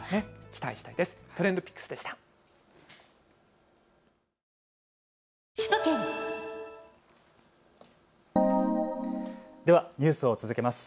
期待したいです。